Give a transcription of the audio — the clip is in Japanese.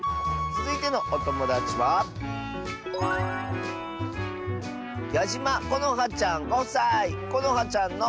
つづいてのおともだちはこのはちゃんの。